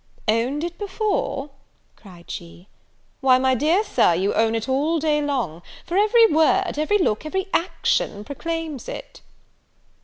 "Owned it before!" cried she, "why, my dear Sir, you own it all day long; for every word, every look, every action proclaims it."